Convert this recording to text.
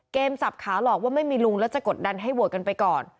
สับขาหลอกว่าไม่มีลุงแล้วจะกดดันให้โหวตกันไปก่อน